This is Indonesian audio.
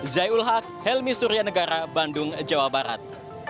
zai ul haq helmi surya negara bandung jawa barat